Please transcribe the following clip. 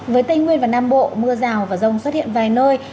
với tây nguyên và nam bộ mưa rào và rông xuất hiện vài nơi